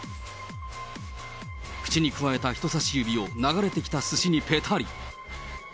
口にくわえた人さし指を流れてきたすしにぺたり。